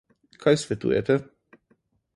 Kaj svetujete?